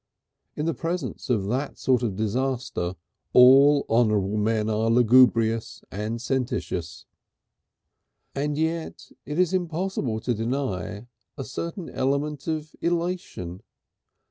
In the presence of that sort of disaster all honourable men are lugubrious and sententious. And yet it is impossible to deny a certain element of elation.